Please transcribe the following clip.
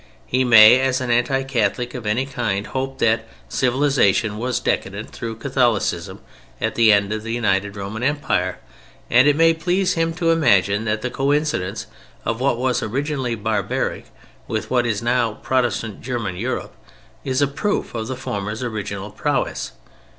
He may, as an anti Catholic of any kind, hope that civilization was decadent through Catholicism at the end of the united Roman Empire, and it may please him to imagine that the coincidence of what was originally barbaric with what is now Protestant German Europe is a proof of the former's original prowess.